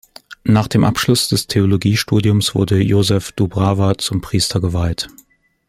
Nach dem Abschluss des Theologiestudiums wurde Josef Doubrava zum Priester geweiht.